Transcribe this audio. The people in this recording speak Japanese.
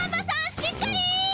しっかり！